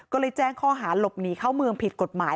ก็เลยแจ้งข้อหาหลบหนีเข้าเมืองผิดกฎหมาย